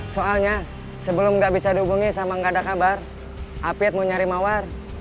soalnya sebelum nggak bisa dihubungi sama nggak ada kabar apit mau nyari mawar